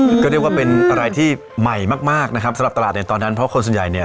ก็เรียกว่าเป็นอะไรที่ใหม่มากมากนะครับสำหรับตลาดในตอนนั้นเพราะคนส่วนใหญ่เนี่ย